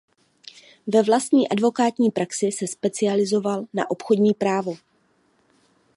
Ve vlastní advokátní praxi se specializoval na obchodní právo.